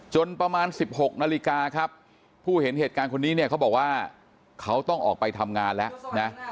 ประมาณ๑๖นาฬิกาครับผู้เห็นเหตุการณ์คนนี้เนี่ยเขาบอกว่าเขาต้องออกไปทำงานแล้วนะ